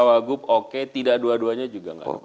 cagup oke tidak dua duanya juga nggak ada masalah